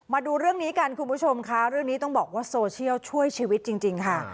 มาดูเรื่องนี้กันคุณผู้ชมค่ะเรื่องนี้ต้องบอกว่าโซเชียลช่วยชีวิตจริงค่ะ